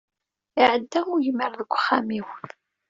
Iɛedda ugmer seg uxxam-iw.